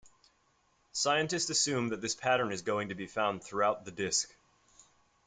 Scientists assume that this pattern is going to be found throughout the disk.